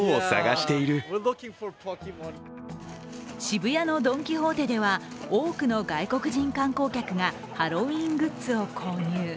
渋谷のドン・キホーテでは多くの外国人観光客がハロウィーングッズを購入。